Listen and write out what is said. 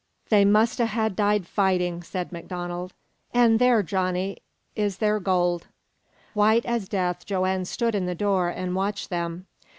"They must ha' died fighting," said MacDonald. "An' there, Johnny, is their gold!" White as death Joanne stood in the door and watched them.